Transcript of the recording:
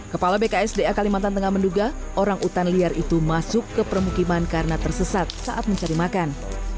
kepala bks da kalimantan tengah menduga orangutan liar itu masuk ke permukiman karena tersesat saat mencari makan